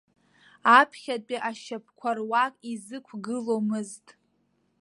Аԥхьатәи ашьапқәа руак изықәгыломызт.